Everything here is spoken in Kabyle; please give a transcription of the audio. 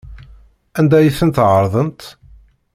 Anda ay ten-tɛerḍemt?